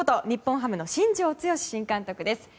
日本ハムの新庄剛志新監督です。